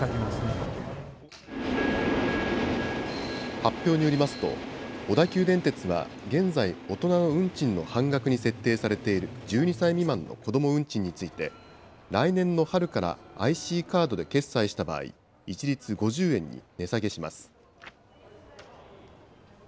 発表によりますと、小田急電鉄は現在、大人の運賃の半額に設定されている１２歳未満の子ども運賃について、来年の春からＩＣカードで決済した場合、一律５０円に値下げします。